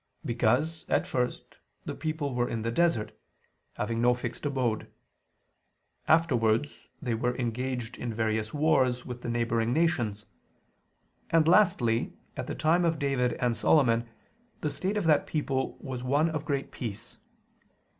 Because, at first, the people were in the desert, having no fixed abode: afterwards they were engaged in various wars with the neighboring nations; and lastly, at the time of David and Solomon, the state of that people was one of great peace.